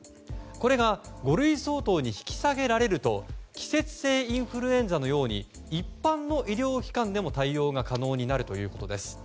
これが五類相当に引き下げられると季節性インフルエンザのように一般の医療機関でも対応が可能になるということです。